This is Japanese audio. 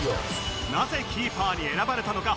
なぜキーパーに選ばれたのか？